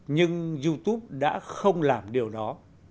nhưng youtube đã không làm điều đó